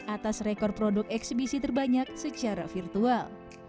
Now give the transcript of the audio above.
atas rekor produk eksibisi terbanyak secara virtual